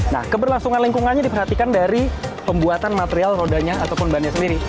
nah keberlangsungan lingkungannya diperhatikan dari pembuatan material rodanya ataupun bannya sendiri